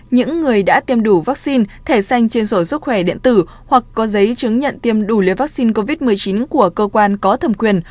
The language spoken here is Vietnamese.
những người đã tiêm đủ vaccine thẻ xanh trên sổ sức khỏe điện tử hoặc có giấy chứng nhận tiêm đủ liều vaccine covid một mươi chín của cơ quan có thẩm quyền